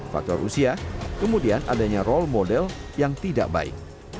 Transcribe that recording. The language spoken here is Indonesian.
faktor usia kemudian adanya role model yang tidak baik